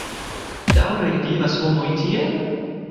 Daŭre vivas homoj tiel?